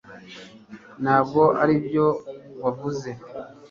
ntabwo aribyo wavuze